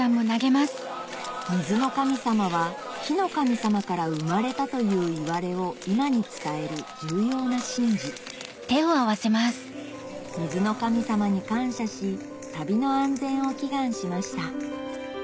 水の神様は火の神様から生まれたといういわれを今に伝える重要な神事水の神様に感謝し旅の安全を祈願しました